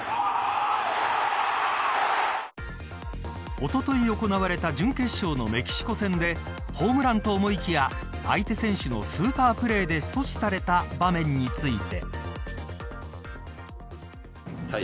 おととい行われた準決勝のメキシコ戦でホームランかと思いきや相手選手のスーパープレーで阻止された場面について。